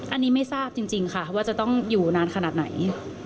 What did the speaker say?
อันนี้ไม่ทราบจริงค่ะว่าจะต้องอยู่นานขนาดไหน